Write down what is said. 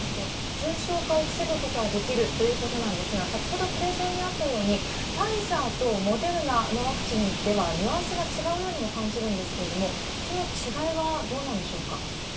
重症化を防ぐことはできるということなんですが、先ほどプレゼンにあったように、ファイザーとモデルナのワクチンでは、ニュアンスが違うようにも感じるんですけれども、その違いはどうなんでしょうか。